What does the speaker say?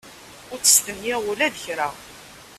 Ur ttestenyiɣ ula d kra.